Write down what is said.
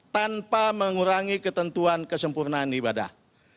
tanpa mengurangi ketentuan kesempurnaan ibadah